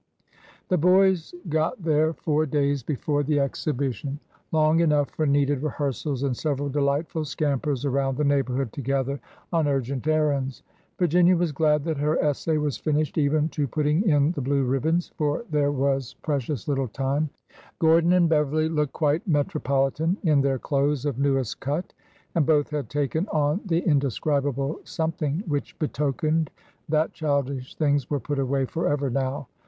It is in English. The boys got there four days before the exhibition, — long enough for needed rehearsals and several delightful scampers around the neighborhood together on urgent errands. Virginia was glad that her essay was finished even to putting in the blue ribbons, for there was pre cious little time for anything now. LIVING PICTURES 129 Gordon and Beverly looked quite metropolitan in their clothes of newest cut, and both had taken on the inde scribable something which betokened that childish things were put away forever now.